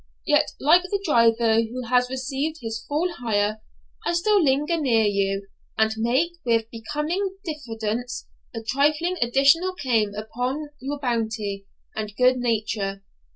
Yet, like the driver who has received his full hire, I still linger near you, and make, with becoming diffidence, a trifling additional claim upon your bounty and good nature.